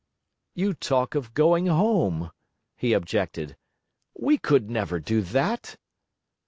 'You talk of going home,' he objected. 'We could never do that.'